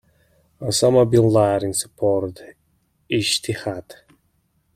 Osama Bin Laden supported "ijtihad".